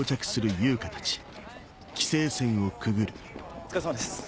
お疲れさまです。